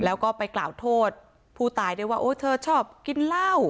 แล้วก็ไปกล่าวโทษผู้ตายด้วยว่าโอ้เธอชอบกินเหล้า